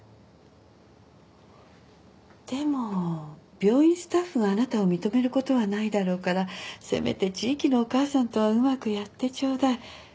でも病院スタッフがあなたを認めることはないだろうからせめて地域のお母さんとはうまくやってちょうだい。